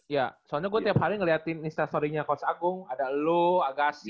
ya soalnya saya tiap hari melihat instastory coach agung ada lo agassi